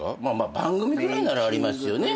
番組ぐらいならありますよね。